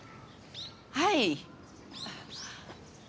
はい？